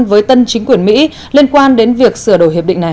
với tân chính quyền mỹ liên quan đến việc sửa đổi hiệp định này